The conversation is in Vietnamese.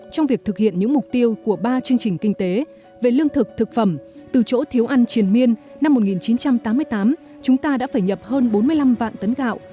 trong việc thực hiện những mục tiêu của ba chương trình kinh tế về lương thực thực phẩm từ chỗ thiếu ăn triển miên năm một nghìn chín trăm tám mươi tám chúng ta đã phải nhập hơn bốn mươi năm vạn tấn gạo